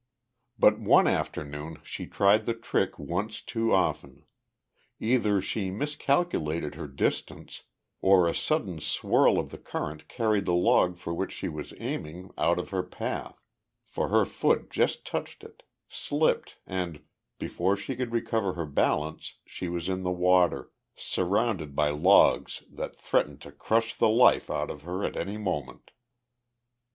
But one afternoon she tried the trick once too often. Either she miscalculated her distance or a sudden swirl of the current carried the log for which she was aiming out of her path, for her foot just touched it, slipped and, before she could recover her balance, she was in the water surrounded by logs that threatened to crush the life out of her at any moment.